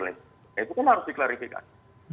itu kan harus diklarifikasi